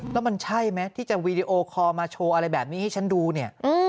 แล้วมันใช่ไหมที่จะวีดีโอคอลมาโชว์อะไรแบบนี้ให้ฉันดูเนี่ย